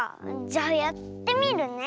じゃあやってみるね。